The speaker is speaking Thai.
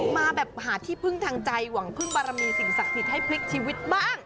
มาแบบหาที่พึ่งทางใจหวังพึ่งบารมีสิ่งศักดิ์สิทธิ์ให้พลิกชีวิตบ้าง